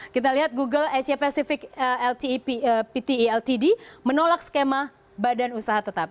kita lihat google asia pacific lteltd menolak skema badan usaha tetap